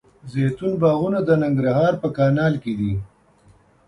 زیتون باغونه د ننګرهار په کانال کې دي.